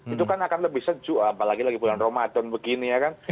itu kan akan lebih sejuk apalagi lagi bulan ramadan begini ya kan